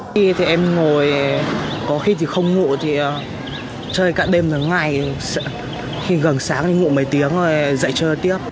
khi em ngồi có khi thì không ngủ thì chơi cả đêm đến ngày khi gần sáng thì ngủ mấy tiếng rồi dậy chơi tiếp